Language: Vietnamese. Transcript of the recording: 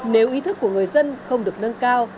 nếu ý thức của người dân không được nâng cao